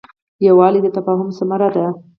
یووالی د تفاهم ثمره ده.